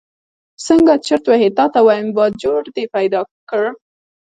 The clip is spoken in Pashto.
څنګه چرت وهې تا ته وایم، باجوړ دې پیدا کړ.